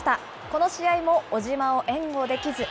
この試合も小島を援護できず。